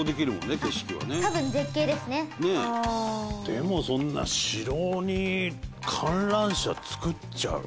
でも、そんな城に観覧車作っちゃう？